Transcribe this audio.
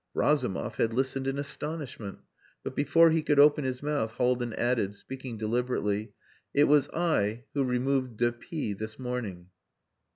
Razumov had listened in astonishment; but before he could open his mouth Haldin added, speaking deliberately, "It was I who removed de P this morning."